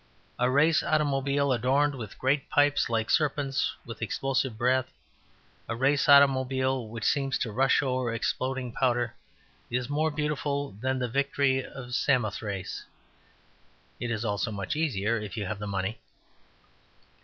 A race automobile adorned with great pipes like serpents with explosive breath.... A race automobile which seems to rush over exploding powder is more beautiful than the Victory of Samothrace." It is also much easier, if you have the money.